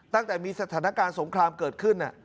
ตั้งแต่มีสถานการณ์สงครามเกิดขึ้น